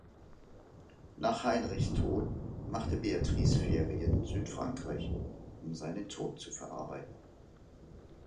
Nach Heinrichs Tod machte Beatrice Ferien in Südfrankreich, um seinen Tod zu verarbeiten.